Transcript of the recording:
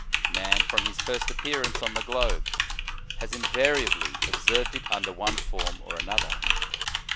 Man, from his first appearance on the globe, has invaria bly observed it under one form or another.